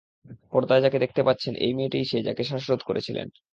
পর্দায় যাকে দেখতে পাচ্ছেন এই মেয়েটাই সে যাকে শ্বাসরোধ করেছিলেন।